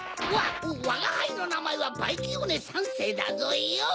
わがはいのなまえはバイキオーネ３せいだぞよ！